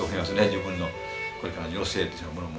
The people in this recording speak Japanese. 自分のこれからの余生というものも。